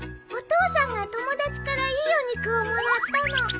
お父さんが友達からいいお肉をもらったの。